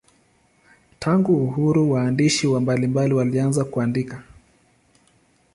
Tangu uhuru waandishi mbalimbali walianza kuandika.